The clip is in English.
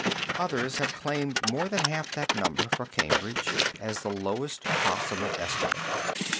Others have claimed more than half that number for Cambridge as the lowest possible estimate.